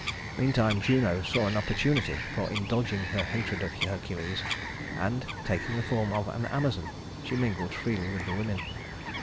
Meantime Juno saw an opportunity for indulging her hatred of Hercules; and taking the form of an Amazon, she mingled freely with the women.